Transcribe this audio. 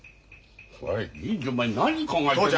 おい銀次お前何考えてんだよ。